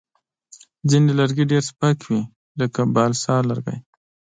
ځینې لرګي ډېر سپک وي، لکه بالسا لرګی.